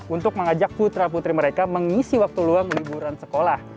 untuk mengajak putra putri mereka mengisi waktu luang liburan sekolah